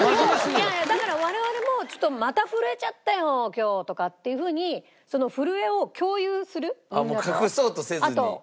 いやいやだから我々も「ちょっとまた震えちゃったよ今日」とかっていうふうにその震えを共有するみんなと。